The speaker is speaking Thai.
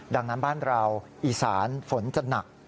ดังนั้นบ้านเราอีสานฝนจะหนัก